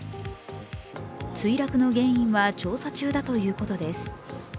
墜落の原因は調査中だということです。